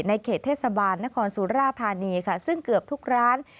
เขตเทศบาลนครสุราธานีค่ะซึ่งเกือบทุกร้าน